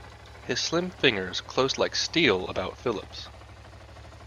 His slim fingers closed like steel about Philip's.